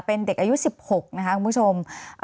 เป็นเด็กอายุ๑๖นะคะคุณผู้ชม